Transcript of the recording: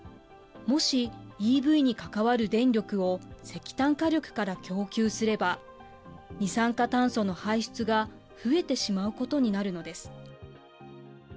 もしＥＶに関わる電力を石炭火力から供給すれば、二酸化炭素の排出が増えてしまうことになるのです。